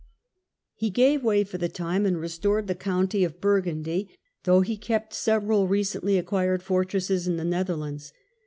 77 He gave way for the time, and restored the county of Burgundy, though he kept several recently acquired fortresses in the Netherlands.